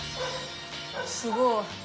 すごい。